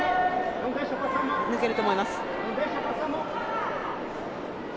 抜けると思います。